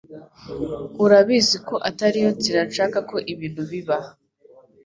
Urabizi ko atariyo nzira nshaka ko ibintu biba